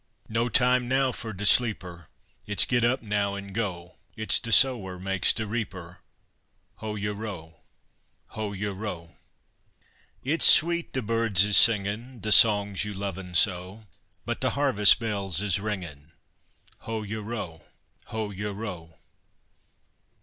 No time now fer de sleeper; It's "Git up now, en go!" It's de sower makes de reaper; Hoe yo' row! Hoe yo' row! It's sweet de birds is singin' De songs you lovin' so; But de harves' bells is ringin'; Hoe yo' row! Hoe yo' row!